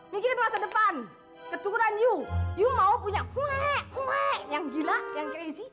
mikirin masa depan keturunan yu yuu mau punya weee weee yang gila yang crazy